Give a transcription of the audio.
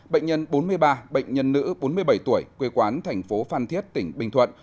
bệnh nhân bốn mươi ba bệnh nhân nữ bốn mươi bảy tuổi quê quán thành phố phan thiết tỉnh bình thuận